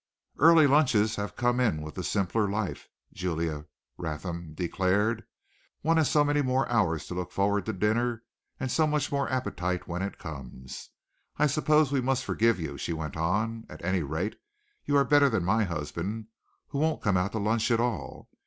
"Early lunches have come in with the simpler life," Julia Raynham declared. "One has so many more hours to look forward to dinner, and so much more appetite when it comes. I suppose we must forgive you," she went on. "At any rate, you are better than my husband, who won't come out to lunch at all.